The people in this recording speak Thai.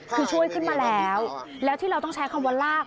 คือช่วยขึ้นมาแล้วแล้วที่เราต้องใช้คำว่าลาก